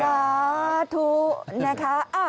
ลาทูนะคะ